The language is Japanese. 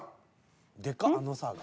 でかっ「あのさ」が。